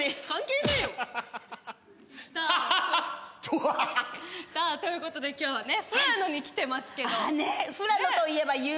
どうぞ。ということで今日は富良野に来てますけど。